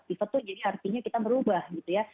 pivot itu artinya kita merubah gitu ya